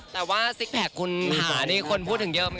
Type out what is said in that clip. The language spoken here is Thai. แต่ว่าซิกแพคคุณหานี่คนพูดถึงเยอะไหม